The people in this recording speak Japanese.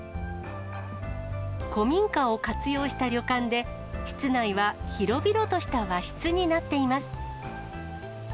古民家を活用した旅館で、室内は広々とした和室になっています。